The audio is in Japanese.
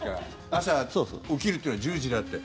朝、起きるというのは１０時だって。